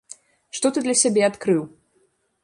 Што ты для сябе адкрыў?